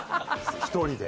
１人で？